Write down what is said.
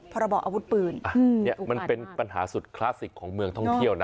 พรบออาวุธปืนเนี่ยมันเป็นปัญหาสุดคลาสสิกของเมืองท่องเที่ยวนะ